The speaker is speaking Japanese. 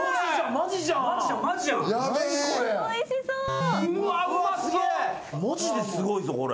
マジですごいぞこれ。